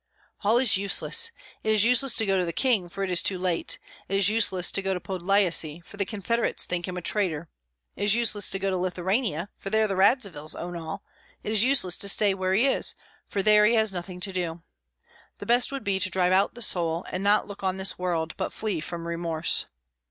All is useless! It is useless to go to the king, for it is too late; it is useless to go to Podlyasye, for the Confederates think him a traitor; it is useless to go to Lithuania, for there the Radzivills own all; it is useless to stay where he is, for there he has nothing to do. The best would be to drive out the soul, and not look on this world, but flee from remorse.